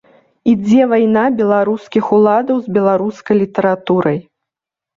Ідзе вайна беларускіх уладаў з беларускай літаратурай.